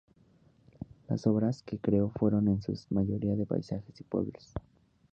Las obras que creó fueron en su mayoría de paisajes y pueblos.